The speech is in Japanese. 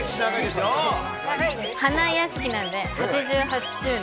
花やしきなんで８８周年。